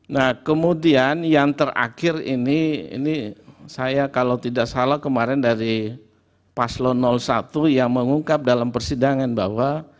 nah kemudian yang terakhir ini ini saya kalau tidak salah kemarin dari paslo satu yang mengungkap dalam persidangan bahwa